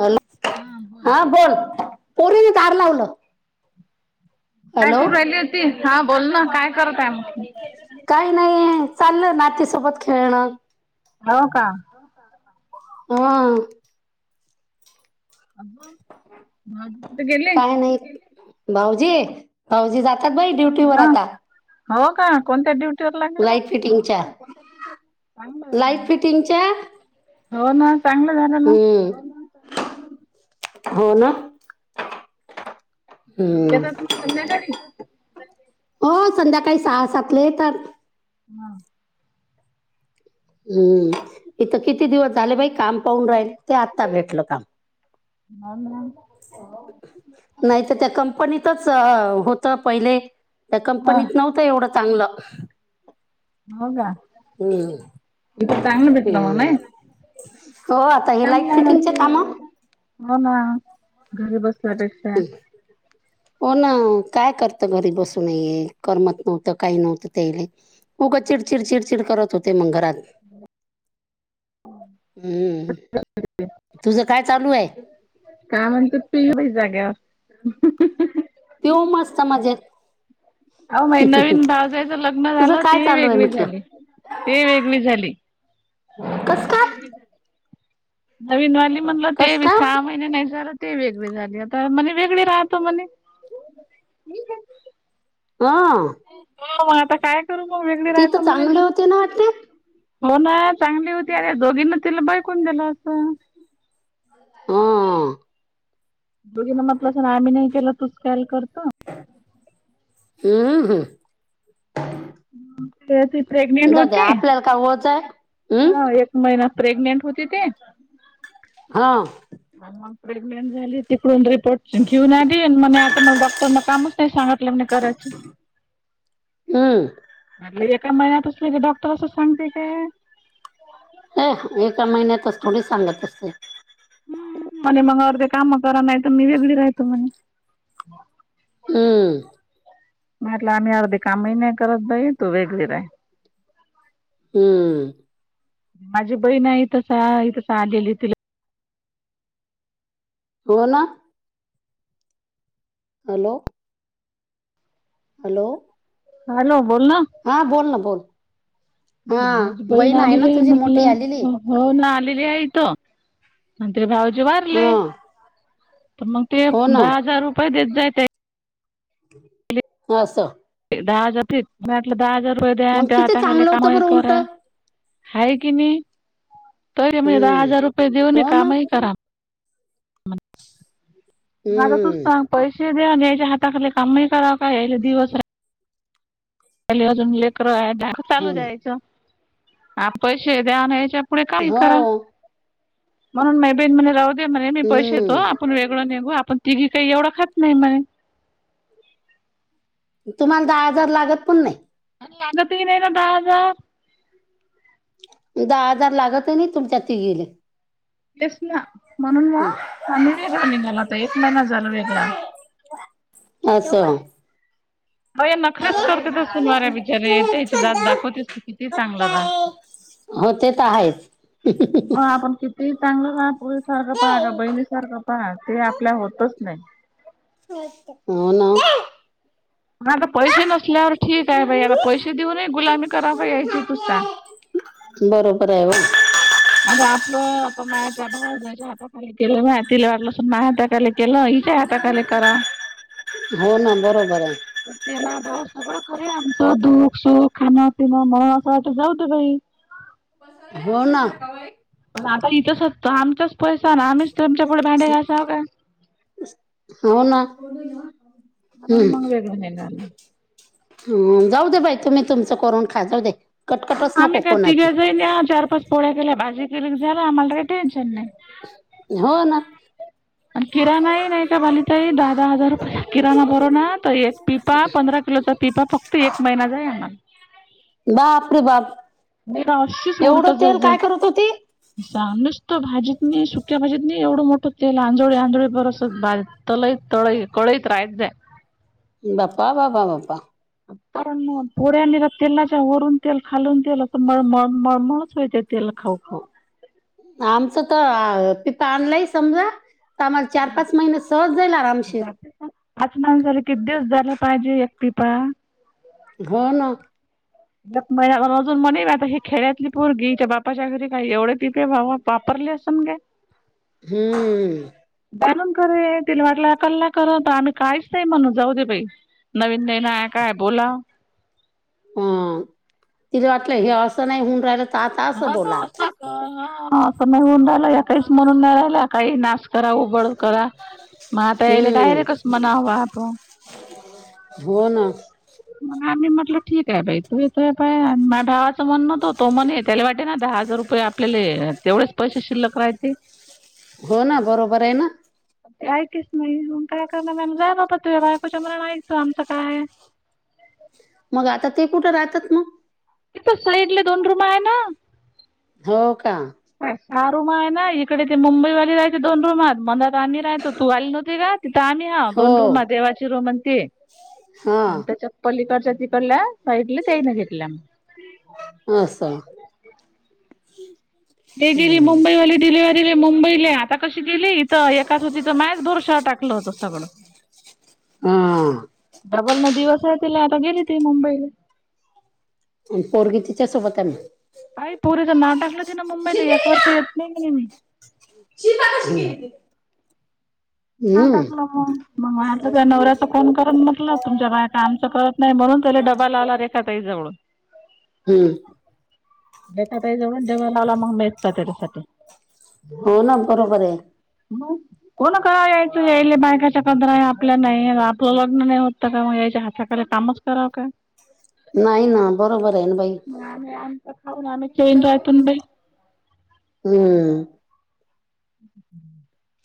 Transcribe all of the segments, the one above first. Hello हा बोल पोरीने दार लावलं. काय हॅलो करू राहिली होती हा बोल ना काय करत आहे मग काही नाहीय चाललं नातीसोबत खेळणं, हो का. हा अ मज ते गेले. काय नाही भाऊजी भाऊजी जात बाई ड्युटीवर हा आता हो का कोणत्या ड्युटीवर लागले लाईट बाबा. फिटिंगच्या चांगलं झालं लाईट मग. फिटिंगच्या हो ना चांगलं झालं ना, हम्म हो ना कधी हम्म येतात मग संध्याकाळी. हो संध्याकाळी सहाासातले तर. हम. हम्म इथं किती दिवस झाले बाई काम पाहून राहिल ते आत्ता भेटलं काम. ह ना. नाही तर त्या कंपनीतच होत पहिले. त्या हा कंपनीत नव्हतं एवढं चांगलं. हो का हम्म इथं चांगलं भेटलं मना. हम्म हो आता हे लाईट फिटिंगचे काम हो ना घरी बसल्यापेक्षा‌. हो ना काय करत घरी बसून करमत नव्हतं काही नव्हतं त्याले. हो का चिडचिड चिडचिड करत होते मंग घरात. हम्म तुझ काय चालू आहे. का म्हण त ते होै जागे. तेव मस्त माज्याेत‌. अ मा नवीन भावजईच लग्न तुझं झालं काय तीही चालू आहे वेगळी म्हटलं झाली ती वेगळी झाली. कस काय. नवीनवाली म्हणलं कस तेी काय सहा महिने नाही जर. ते वेगळी झाली आता म्हणे वेगळी राहतो म्हणे. हा. हो मग आता काय करू म वेगळे ती राहतो तर म्ह. चांगली होती ना वाटते हो ना चांगली होती अरे दोघींना तिला बैकून दिलं असं. हम्म. दोघीना म्हटलं असं ना आम्ही नाही केलं तुच काल करत. हम्म हम्. ते ती प्रेग्नेंट जाऊ दे होती आपल्याला काय ओळच आहे हम्म हा एक महिना. प्रेग्नेंट होते ते. हा. आणि मग प्रेग्नेंट झाली त. रिपोर्ट घेऊन दे आता मला डॉक्टर न कामच नाही सांगितलं म्ह करायच. [inaudible] हम्म. का महिनात असले का डॉक्टर असं सांगते काय. थोढ सांगतसते. हं, म्हणे मग अर्धे काम करा नाही तर मी वेगळी राहतो म्हणे. हम्म. मटले आम्ही अर्धे काम मही नाही करत भाई तू वेगळी रा. हम्म माझी बहीण आहे तस [unintelligible] तिला हो ना. हॅलो. हॅलो. हॅलो. बोल ना हा बोल ना बोल. हा माझी बहीण आहे ना आलेली तुझी मोठी म्हटलं आलेली हो ना आली. ये एथ म्हंटले भाऊजी वरले. हा तर मग ते हो ना दहा हजार रुपये देत जाय. हो अस. दहा हजार फटलं दहा हजार रुपये द्या आणि मग ते किती हाताखाली चांगलं होतं कामही बरं उलट करा. हाय की नाही त म्हणजे दहा हम्म हजार रुपये देऊन हो ना कामही करा. [inaudible] आ आता तूच हम्म सांग पैशे द्या न याच्या हाताखाली कामही करावं का या ले दिवस खली अजून लेकर ढाक चालू हो ना जायच हा पैसे द्यावानयचे पुढे काही करा हो म्हणून मबेन म्हणे राहु म्हणे मी पैशा येतो हम्म आपण वेगळं निघू आपण तिघी काही एवढं खात नाही म्हणे तुम्हाला दहा हजार लागत पण नाही अणि लागत ही नाय ना दहा हजार उ दहा हजार लागत नाही तुमच्या तीघोले यष्ना म्हणून वा आम्ही वेगळा निघाल आता एक महिना झाल वेगळा आहोत असं म ये नखरेच करते त सुनवार्या बिचारे त्याची जात दाखवतेस किती चांगलं रा हो ते तर आहेच [unintelligible] पुळी सारखं पहा का बहिणी सारखं पहा ते आपल्या होतच नाही हो ना आता पैसे नसल्यावर ठीक आहे भाई आता पैसे देऊन ही गुलामी करावा यायची तुस सांग बरोबर आहे हो अता आपण माझा भाऊ याच्या हाताखाली केलं मा तिला वाटलं सून मा हाताकाले केलं हिच्या हाताखाली करा [inaudible] हो ना बरोबर आहे [unintelligible] सगळं खरे आमचं दुःख सुख खाणं पिणं म असं वाट जाऊतं बाई [inaudible] हो ना पण आता इथंचत आमचाच पैसा ना आम्ही च [inaudible] हो ना अपण मग वेगळं [unintelligible] ह जाऊ दे बाई तुम्ही तुमचं करून खा जाऊ दे कटकटच नको आम्ही काय कोणाची तिघ्या जाईन चार पाच पोळ्या केल्या भाजी केली झाला आम्हाला काही टेन्शन नाही हो ना आणि किराणा ही नाही का भाली तई दहा दहा हजार रुपये किराणा भरो ना तर एक पिपा पंधरा चा पिपा फक्त एक महिनाचा आहे ह्यांना बापरे बाप ना अशीच उलट एवढं तेल जाई काय करत होती जा नुसत्या भाजीतनी सुक्या भाजीत नी एवढं मोठं तेल आंजोळे आंजोळे बरसच बाज तोई तोै कोळैत रायतजे बाप्पा.. बाप्पा.. पण पोड्यानी तेलाच्या वरून तेल खालून तेल म म मळमणच होय ते तेल खाऊ खाऊ आमचं तर पिता आणलाय समजा आम्हाला चार पाच महिने सहज जाईल आरामशीेर पाचनान झाले कि दिस झाला पाहिजे एकतीपा हो ना [unintelligible] अजून म्हणे म आता ही खेळ्यातली पोरगी हीच्या बापाच्या घरी काही एवढे पीपे बा पाप लसुण घे हम्म जाणून करे तिला वाटलं अपल्याला कर आम्ही काहीच नाही म्हणून जाऊ दे बाई नवीन ने ना आहे काय बोला ह तिला वाटलं हे असं नाही होऊन राहिलं तर आता [unintelligible] असं बोला असं नाही होऊन रालं एकाहीच मरून नाही राहिला काही नाश त रा उघड करा मता इले हम्म डायरेक्टच मनाववा आपो हो ना मग आम्ही म्हटलं ठीक आहे बाई तू येतोय बा माझ भाावाचं म्हणण - त्याला वाटे ना दहा हजार रुपये आपल्याले तेवढेच पैसे शिल्लक राहाते हो ना बरोबर आहे ना ते ऐकच नाही मग काय करणार आ जाय न प त बायकोच्या मनान ऐक जा आमचं काय? [inaudible] मग आता ते कुठं राहतात मग? इथ साईडले दोन रूम आहे ना हो का? ह हा रूम आहे ना इकडे ते मुंबईली जायचे दोन रुमात मण आम्ही राहतो तू आली नव्हती का? तिथं आम्ही हा हो दोन रूम ह देवाची रूम आणि त हा आणि त्याच्या पलीकड त्या तिकडल्या साईडल्या ताईंन घेतल्या मग. असं ते गेली हम्म. मुंबईली डिलिवरी मुंबई आता कशी गेली तर एकाच होती तर मायच भरशा टाकलं होत सगळं हा [unintelligible] ना दिवस आहे तिला आता गेली ती मुंबईला पोरगी तिच्या सोबत आहे मग काई पुरेच नावठकलं ति ना मुंबईला एक वर्ष येत नाही म्हणे मी निता कशी गेली. टाकलं मलं त्या नवऱ्याच कोण करत म्हटलं तुमच्या बाहेर कामच करत नाही म्हणून त्याला डबा ला आला रेखा तिई जवळून हम्म रेखाताई जवळ डबा लावला मग [unintelligible] त्याच्यासाठी हो ना बरोबर आहे हॅलो! ! कोण करा यायचं यायले बायकाच्या कधरा आपल्या नाही आपलं लग्न नाही होत का यायच्या हात प कामच कराव काय नाही ना बरोबर आहे ना बाई आम्ही आमचा खाऊन आम्ही न राहतून बाई हम्म [inaudible]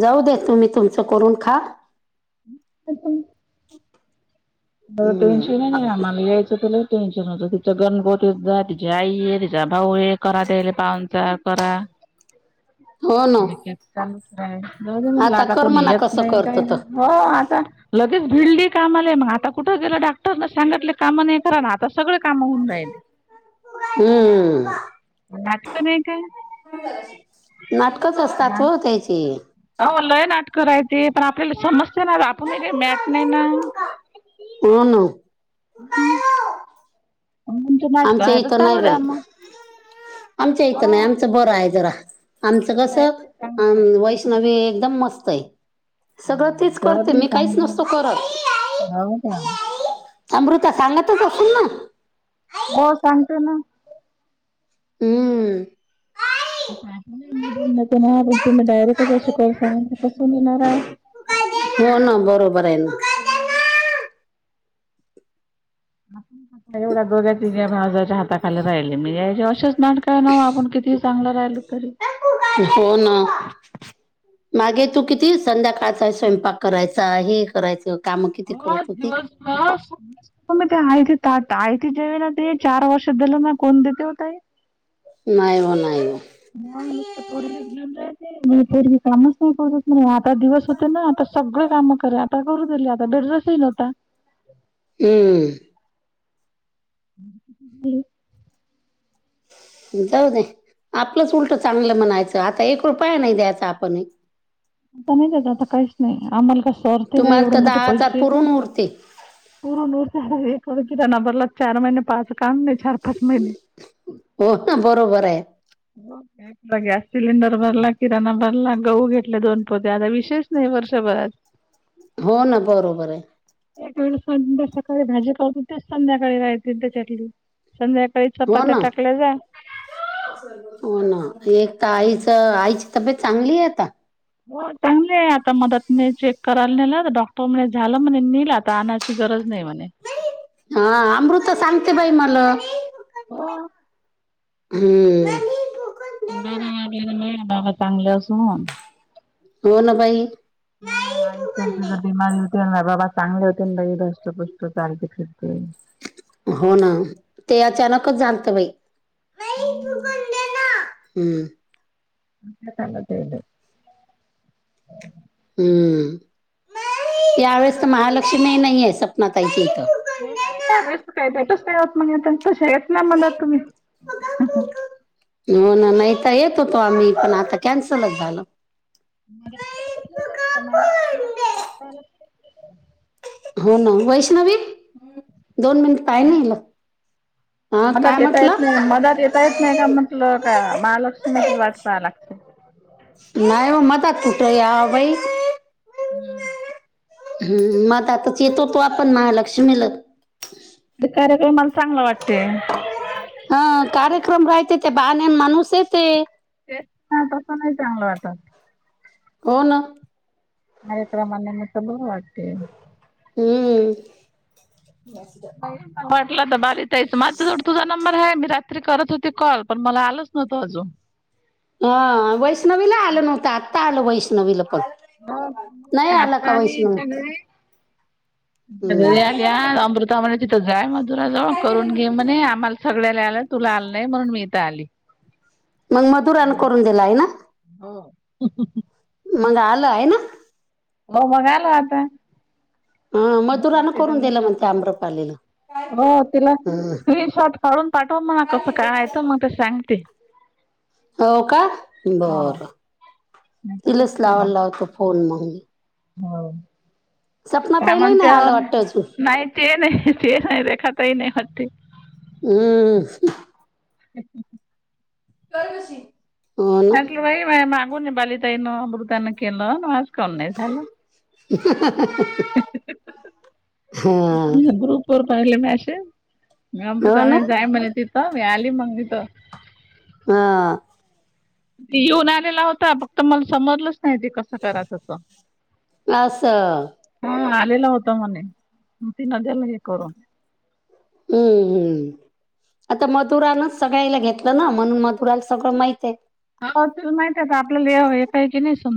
जाऊ दे तुम्ही तुमचं करून खा [unintelligible] म हम्म टेन्शन नाही आम्हाला यायचं तुला टेनशन होत तिचा गणगोत तिच्या आई ये तिचा भाऊ ये करा त्याले पाहनचा करा हो [unintelligible] ना चालूच जाऊ दे म्हटलं आता कर कोणी म्हणा येत कसं नाही करत काही तर नाही हो आता लगेच भिडली कामाला मग आता कुठं गेलं डाक्टरला सांगले काम नाही करा ना आता सगळं काम होऊन जाईल हम्म नाटक नाही का [unintelligible] नाटकच असतात हो त्याची. नाटकं राहती, पण आपल्याला समजते ना आपण काय मॅट नाही ना. हो ना. [unintelligible] म्हणजे आमच्या इथं नाही बाई [unintelligible] आमच्या इथं नाही आमचं बरं आहे जरा आमचं कसं अम्म वैष्णवी एकदम मस्त आहे. सगळं तीच करते जाऊदे मी काहीच सांगता नसतो हो करत का [unintelligible] अमृता सांगतच असल ना. हो सांगते ना. हम्म. [unintelligible] ते ना पण तुम्ही डायरेक्टच असे [unintelligible] कसं नेणार आहे. हो ना बरोबर आहे ना. एवढ्या दोघ्या तिघ्या भावजाच्या हाताखाली राहिले या असच नाटकं, किती चांगलं राहिल तरी. हो ना मागे तू किती संध्याकाळचा आहे स्वयंपाक करायचं आहे करायचं. काम किती हो करत होती [unintelligible] आयते ताट आयते जेवायला ते चार वर्ष दिलं ना कोण देते ओ ताई? नाही ओ नाही. म नुसतं पोरगंच घेऊन जाते म पोरगी कामच नाही करत [unintelligible] आता दिवस होते ना आता सगळं काम कर आता करू [unintelligible] हम्म. [unintelligible] अं जाऊ दे. आपलंच उलट चांगलं म्हणायचं आता एक रुपया नाही द्यायचा आपणही आता नाही त्याज आता काहीच नाही आम्हाला काय [unintelligible] तुम्हाला एवढे तर मोठे दहा हजार पैसे. पुरून उरते [unintelligible] नंबरला चार महिने पाच काम नाही चार पाच महिने. हो ना बरोबर आहे गॅस सिलेंडर भरला किराणा भरला गहू घेतले दोन पोते आता विशेष नाही वर्ष [unintelligible] हो ना बरोबर आहे. [unintelligible] संध्या सकाळी भाजी [unintelligible] तेच संध्याकाळी खायची त्याच्यातली. संध्याकाळी हो चपात्या ना टाकल्या जा. हो ना एक तर आईचं आईची तब्येत चांगली आहे आता? हो चांगली आहे आता मदत ने चेक करायला नेला ना डॉक्टर म्हणे झालं म्हणे नेला आता आणायची गरज नाही म्हणे. हा अमृता सांगते बाई मला. हम्म. [unintelligible] [unintelligible] बाबा चांगले असून, हो ना बाई ह आई तर [unintelligible] [unintelligible] बाबा चांगले होतील भाई धष्टपुष्ट चालते फिरते. हो ना ते अचानकच झालतं बाई. हम्म. हम्म. [unintelligible] हम्म त्यावेेळेस तर महालक्ष्मी नाही आहे सपनातााईच्या इथं. [unintelligible] कशे येत नाही म्हणत तुम्ही हम्म हम्म. [inaudible] हो ना नाही तर येत होतो आम्ही पण आता कॅन्सलच झालं. मा का का मा हो ना वैष्णवी दोन मिनट पाय पाहील ना याला [inaudible] मला देता येत नाही मदत देता येत नाही का म्हटलं का महालक्ष्मीचीच वाट पाहा लागते. नाहीव [unintelligible] कुठ या बाई हम्म हम्म मग आताच येतो तो आपण महालक्ष्मीला ते कार्यक्रमाला चांगलं वाटते हा कार्यक्रम राहते ते बाहेर माणूस येते ह तसं नाही चांगलं वाटत. हो ना [unintelligible] बरे वाटते हम्म ब ब ला तर बारीताईच माझ्याजवळ तुझा नंबर आहे मी रात्री करत होती कॉल पण मला आलच नवतो अजून ह वैष्णवीला आलं नव्हतं आत्ता आलं वैष्णवीला नाही आला का वैष्ण आल्या अमृता म्हणे तिथं जाय मधुराजवळ करून घे म्हणे आम्हाला सगळ्याला आलं तुला आलं नाही म्हणून मी इथ आली मग मधुरान करून दिला आहे ना हो हो मग आलं आहे ना म मघ आलो आता हा मदुरान करून दिलं म्हणते आम्रपालेला हो तिला स्क्रीनशॉट काढून पाठव मणा कसं काययचं मग ते सांगते हो का हो बरं मी तसंच तिलाच लावाला लावतो फोन मग म हो सपना का ताईलाही म्हण नाही ते आलं वाटतं अजून नाही ते नाही ते नाही रेखा तही नाही करते हम्म अच्छा कर कशी म्हटलं बाई मागून बालिताईन अमृताांना केलं माजकून नाही झालं हा पहिले म असे म हो अमृता ना जाई म्हणे तिथं मी आली मग तथ हा येऊन आलेला होता फक्त मला समोरलं तेे कस करायचं त असं होता म हम्म हम्म आता मधुरानच सगळ्याला घेतलं ना म्हणून मधुराला सगळं माहित आहे हो तुला माहित आहे आपल्याला काही की नाही सम